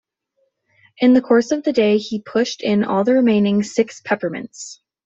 In the course of the day he pushed in all the remaining six peppermints.